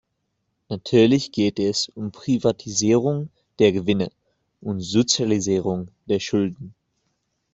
Natürlich geht es um Privatisierung der Gewinne und Sozialisierung der Schulden.